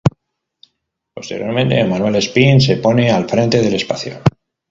Posteriormente, Manuel Espín se pone al frente del espacio.